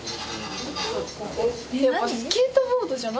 スケートボードじゃないの？